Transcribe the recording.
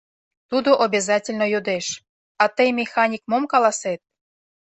Тудо обязательно йодеш: «А тый, механик, мом каласет?»